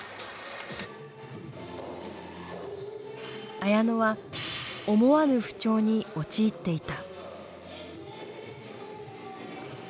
綾乃は思わぬ不調に陥っていた。